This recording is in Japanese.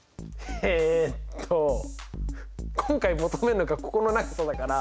えっと今回求めるのがここの長さだから。